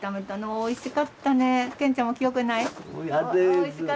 おいしかったね。